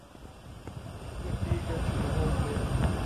مٹی کے چولہوں کے